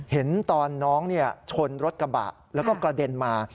เห็นตอนน้องชนรถกระบะแล้วก็กระเด็นมา